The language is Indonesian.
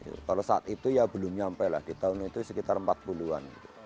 kalau saat itu ya belum nyampe lah di tahun itu sekitar empat puluh an